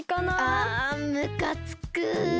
あむかつく。